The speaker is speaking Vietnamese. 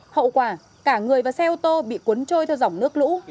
hậu quả cả người và xe ô tô bị cuốn trôi theo dòng nước lũ